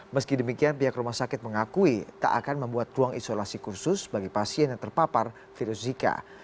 meski demikian pihak rumah sakit mengakui tak akan membuat ruang isolasi khusus bagi pasien yang terpapar virus zika